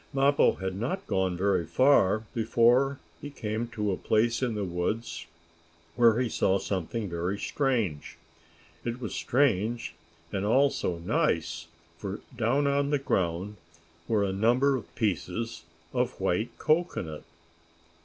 Mappo had not gone very far before he came to a place in the woods where he saw something very strange. It was strange and also nice, for, down on the ground, were a number of pieces of white cocoanut.